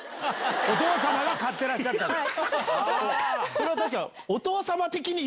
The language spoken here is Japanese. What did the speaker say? それは確かに。